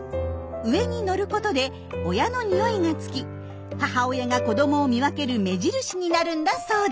上に乗ることで親のにおいが付き母親が子どもを見分ける目印になるんだそうです。